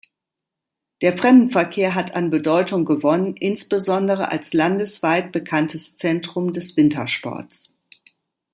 Der Fremdenverkehr hat an Bedeutung gewonnen, insbesondere als landesweit bekanntes Zentrum des Wintersports.